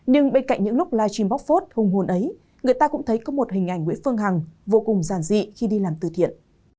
nhưng bên cạnh những lúc live stream bóc phốt hùng hồn ấy người ta cũng thấy có một hình ảnh nguyễn phương hằng vô cùng giản dị khi đi làm từ thiện